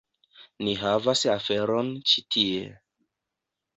Ni havas aferon ĉi tie.